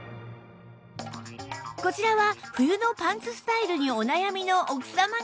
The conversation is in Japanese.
こちらは冬のパンツスタイルにお悩みの奥様方